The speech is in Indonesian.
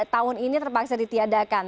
tahun ini terpaksa ditiadakan